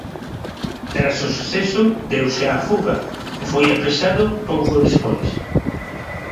Tras o suceso, deuse á fuga e foi apresado pouco despois.